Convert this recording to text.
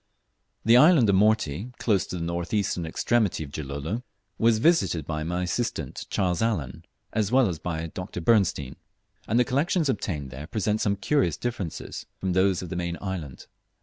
The island of Morty, close to the north eastern extremity of Gilolo, was visited by my assistant Charles Allen, as well as by Dr. Bernstein; and the collections obtained there present some curious differences from those of the main island.